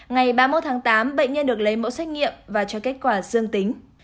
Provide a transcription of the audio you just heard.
ngày ba mươi một tháng tám bệnh nhân được lấy mẫu xét nghiệm và cho kết quả dương tính